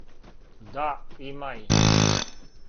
Да, има их.